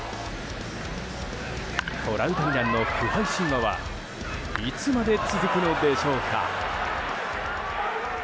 トラウタニ弾の不敗神話はいつまで続くのでしょうか？